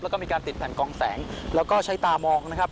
แล้วก็มีการติดแผ่นกองแสงแล้วก็ใช้ตามองนะครับ